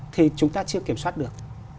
thì chúng ta chưa kiểm soát được